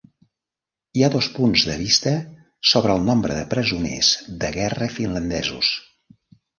Hi ha dos punts de vista sobre el nombre de presoners de guerra finlandesos.